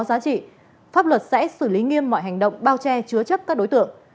mọi thông tin có giá trị pháp luật sẽ xử lý nghiêm mọi hành động bao che chứa chấp các đối tượng